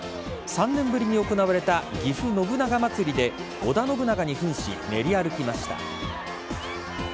３年ぶりに行われたぎふ信長まつりで織田信長に扮し練り歩きました。